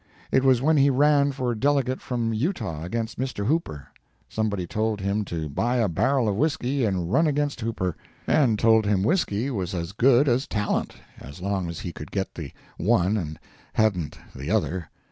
It was when he ran for delegate from Utah against Mr. Hooper. Somebody told him to buy a barrel of whiskey and run against Hooper—and told him whiskey was as good as talent, as long as he could get the one and hadn't the other.